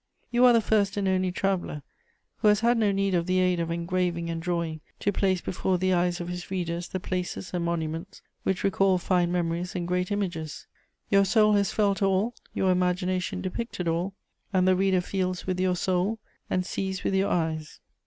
You are the first and only traveller who has had no need of the aid of engraving and drawing to place before the eyes of his readers the places and monuments which recall fine memories and great images. Your soul has felt all, your imagination depicted all, and the reader feels with your soul and sees with your eyes.